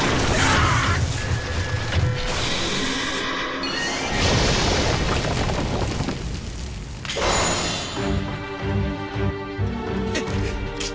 あっ。